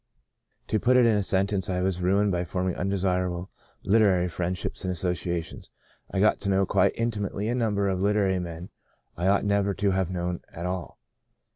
To put it in a sentence, I was ruined by forming un desirable literary friendships and associations. I got to know quite intimately a number of literary men I ought never to have known at all.